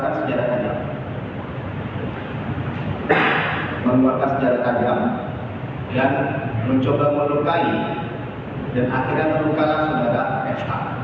dan akhirnya melukakan saudara fh